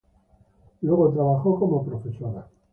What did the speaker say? Luego trabajó como profesora.